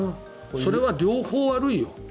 それは両方悪いよ。